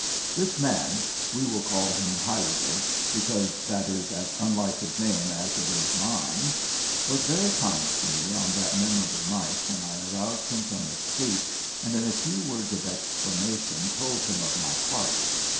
This man we will call him Huyliger, because that is as unlike his name as it is mine was very kind to me on that memorable night when I aroused him from his sleep and in a few words of explanation told him of my plight.